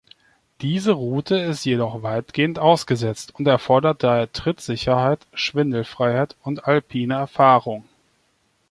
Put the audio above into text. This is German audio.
Diese Route ist jedoch weitgehend ausgesetzt und erfordert daher Trittsicherheit, Schwindelfreiheit und alpine Erfahrung.